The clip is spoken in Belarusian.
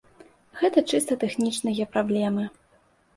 Гэта чыста тэхнічныя праблемы.